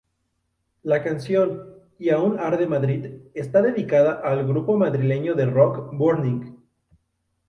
La canción "Y Aún Arde Madrid" está dedicada al grupo madrileño de rock Burning.